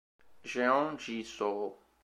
Jeon Ji-soo